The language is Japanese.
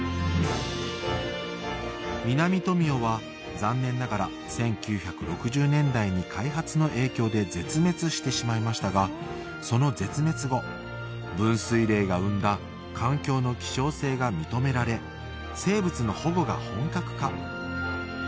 ミナミトミヨは残念ながら１９６０年代に開発の影響で絶滅してしまいましたがその絶滅後分水嶺が生んだ環境の希少性が認められ生物の保護が本格化